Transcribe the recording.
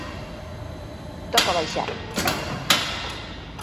Toca baixar.